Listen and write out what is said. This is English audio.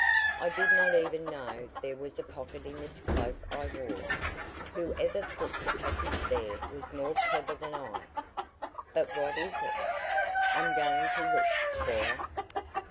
I did not even know there was a pocket in this cloak I wore. Whoever put the package there was more clever than I." "But what is it?" "I'm going to look Cora."